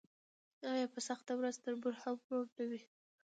آیا په سخته ورځ تربور هم ورور نه وي؟